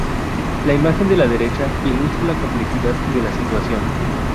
La imagen de la derecha ilustra la complejidad de la situación.